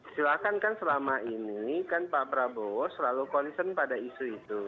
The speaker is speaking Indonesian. silahkan kan selama ini kan pak prabowo selalu concern pada isu itu